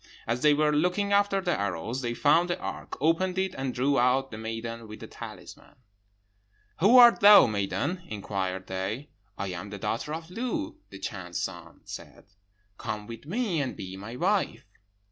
As they were looking after the arrows, they found the ark, opened it, and drew out the maiden with the talisman. "'Who art thou, maiden?' inquired they. 'I am the daughter of Lu.' The Chan's son said, 'Come with me, and be my wife.'